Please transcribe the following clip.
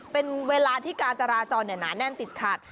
เป็นเวลาที่การจราจรหนาแน่นติดขัด